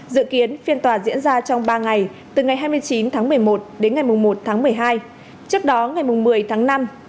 dự kiến phiên tòa diễn ra trong ba ngày từ ngày hai mươi chín tháng một mươi một đến ngày một tháng một mươi hai trước đó ngày một mươi tháng năm